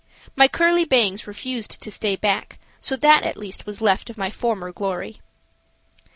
My curly bangs refused to stay back, so that at least was left of my former glory.